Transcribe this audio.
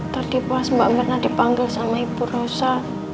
tadi pas mbak mirna dipanggil sama ibu rosa